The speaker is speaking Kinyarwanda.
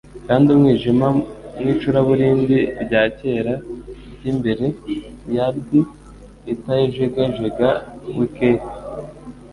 Kandi umwijima mu icuraburindi rya kera ryimbere-yard itajegajega-wiketi